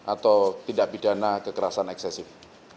atau tindak pidana kekerasan eksesif